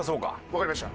わかりました。